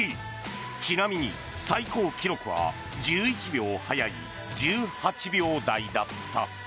ちなみに最高記録は１１秒早い１８秒台だった。